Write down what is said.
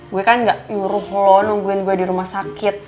gue kan gak nyuruh loh nungguin gue di rumah sakit